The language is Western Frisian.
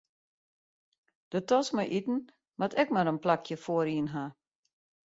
De tas mei iten moat ek mar in plakje foaryn ha.